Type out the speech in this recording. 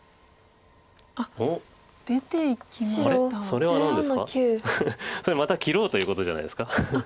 それまた切ろうということじゃないですか。